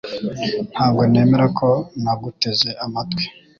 Ntabwo nemera ko naguteze amatwi